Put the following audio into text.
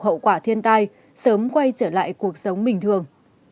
hậu quả thiên tai sớm quay trở lại cuộc sống bình thường